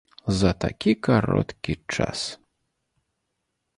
За такі кароткі час.